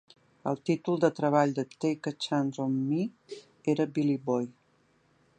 El títol de treball de "Take a Chance on Me" era "Billy Boy".